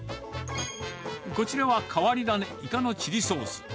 こちらは変わり種、イカのチリソース。